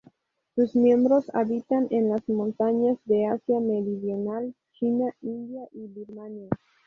Sus miembros habitan en las montañas de Asia meridional: China, India y Birmania.